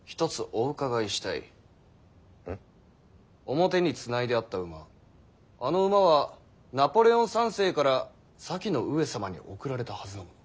表につないであった馬あの馬はナポレオン三世から先の上様に贈られたはずのもの。